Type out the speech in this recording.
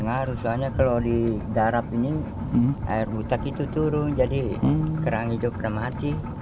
pengaruh soalnya kalau di darat ini air buta itu turun jadi kerang hidupnya mati